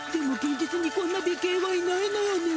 実にこんな美形はいないのよね。